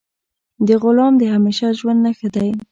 د غلام د همیشه ژوند نه ښه دی.